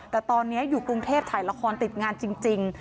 แต่ตอนนี้อยู่กรุงเทพถ่ายละครติดงานจริง